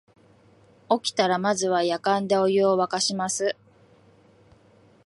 起きたらまずはやかんでお湯をわかします